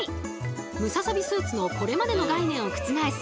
ムササビスーツのこれまでの概念を覆す